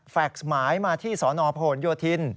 แฟสต์หมายมาที่สนพยทิน